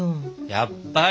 やっぱり！